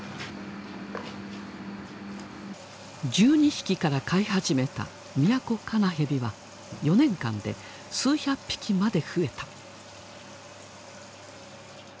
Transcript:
１２匹から飼い始めたミヤコカナヘビは４年間で数百匹まで増えた。